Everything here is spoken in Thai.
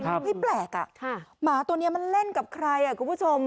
ไม่แปลกอ่ะหมาตัวนี้มันเล่นกับใครอ่ะคุณผู้ชม